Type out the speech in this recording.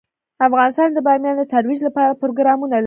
افغانستان د بامیان د ترویج لپاره پروګرامونه لري.